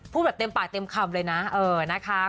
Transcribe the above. แบบเต็มปากเต็มคำเลยนะนะคะ